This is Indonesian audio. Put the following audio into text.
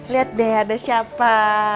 lihat deh ada siapa